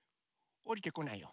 おりてこないよ。